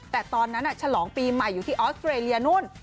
แต่ตอนนั้นฉลองปีใหม่อยู่ที่ออสเตรเลียนู่น